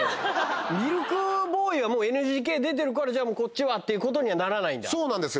ミルクボーイはもうＮＧＫ出てるからこっちはっていうことにはならないんだそうなんですよ